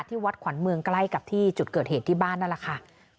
วัดขวัญเมืองใกล้กับที่จุดเกิดเหตุที่บ้านนั่นแหละค่ะ